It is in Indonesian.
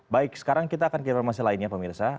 baik sekarang kita akan ke informasi lainnya pemirsa